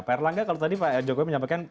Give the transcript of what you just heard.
pak erlangga kalau tadi pak jokowi menyampaikan